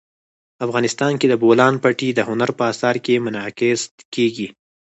افغانستان کې د بولان پټي د هنر په اثار کې منعکس کېږي.